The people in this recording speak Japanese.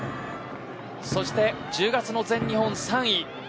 そして、１０月の全日本３位。